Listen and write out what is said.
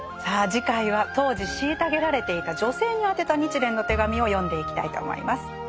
さあ次回は当時虐げられていた女性に宛てた「日蓮の手紙」を読んでいきたいと思います。